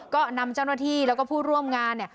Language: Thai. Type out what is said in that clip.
ก็นำเจ้าหน้าที่แล้วก็ผู้ร่วมงาน